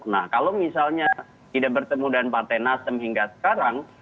nah kalau misalnya tidak bertemu dengan partai nasdem hingga sekarang